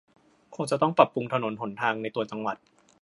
คงต้องปรับปรุงถนนหนทางในตัวจังหวัด